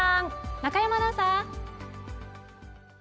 中山アナウンサー。